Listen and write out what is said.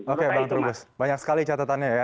oke bang terubus banyak sekali catatannya ya